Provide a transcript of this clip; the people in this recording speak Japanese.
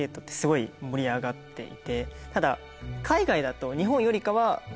ただ。